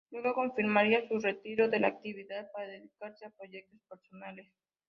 Luego confirmaría su retiro de la actividad para dedicarse a proyectos personales.